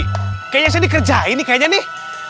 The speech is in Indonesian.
kayaknya saya dikerjain nih kayaknya nih